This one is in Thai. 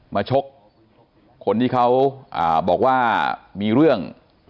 ชกคนที่เขาบอกว่ามีเรื่อง